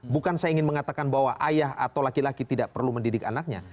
bukan saya ingin mengatakan bahwa ayah atau laki laki tidak perlu mendidik anaknya